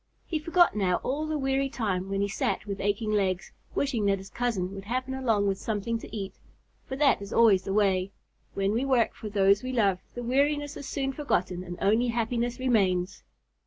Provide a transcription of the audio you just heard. He forgot now all the weary time when he sat with aching legs, wishing that his cousin would happen along with something to eat. For that is always the way, when we work for those we love, the weariness is soon forgotten and only happiness remains.